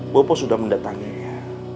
bapak sudah mendatanginya